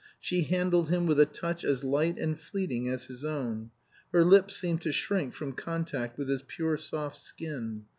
She handled him with a touch as light and fleeting as his own; her lips seemed to shrink from contact with his pure soft skin.